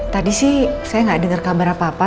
tadi sih saya gak denger kabar apa apa